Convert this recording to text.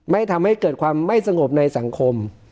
ไม่ทำให้เกิดความไม่สงบในสังคม